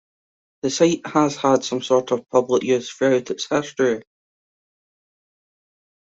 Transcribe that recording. The site has had some sort of public use throughout its history.